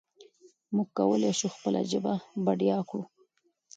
موږ کولای شو خپله ژبه بډایه کړو.